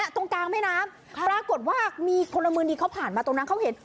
ตรงกลางแม่น้ำปรากฏว่ามีพลเมืองดีเขาผ่านมาตรงนั้นเขาเห็น